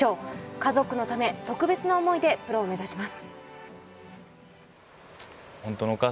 家族のため、特別な思いでプロを目指します。